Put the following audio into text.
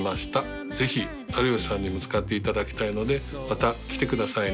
ぜひ有吉さんにも使っていただきたいのでまた来てくださいね。